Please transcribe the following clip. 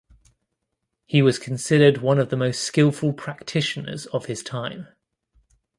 He was considered one of the most skilful practitioners of his time.